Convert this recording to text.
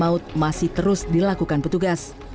disitu masih tetap dilakukan petugas